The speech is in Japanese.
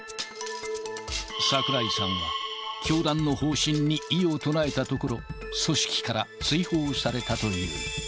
櫻井さんは、教団の方針に異を唱えたところ、組織から追放されたという。